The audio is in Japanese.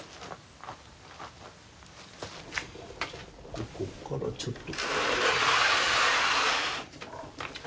ここからちょっと。